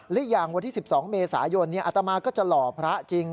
อีกอย่างวันที่๑๒เมษายนอัตมาก็จะหล่อพระจริง